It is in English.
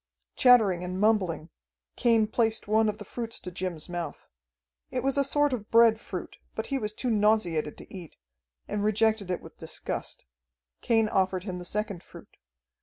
Chattering and mumbling, Cain placed one of the fruits to Jim's mouth. It was a sort of bread fruit, but he was too nauseated to eat, and rejected it with disgust. Cain offered him the second fruit.